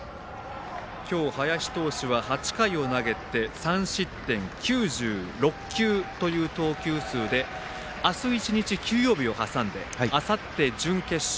今日、林投手は９６球という投球数で明日１日休養日を挟んであさって準決勝